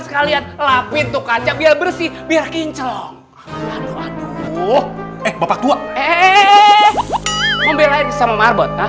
sekalian lapin tuh kaca biar bersih biar kinclong aduh eh bapak tua eh membelain sama marbot